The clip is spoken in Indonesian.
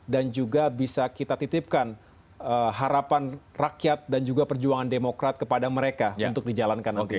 dan juga bisa kita titipkan harapan rakyat dan juga perjuangan demokrat kepada mereka untuk dijalankan nanti